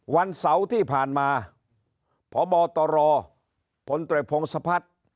วันเสาร์ที่ผ่านมาพบตรพลตรวจพงศพัฒน์